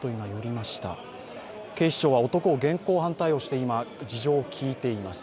警視庁は男を現行犯逮捕して今、事情を聴いています。